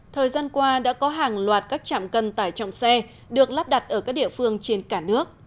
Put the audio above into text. thời gian qua đã có hàng loạt các trạm cân tải trọng xe được lắp đặt ở các địa phương trên cả nước